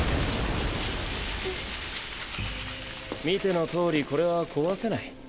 見てのとおりこれは壊せない。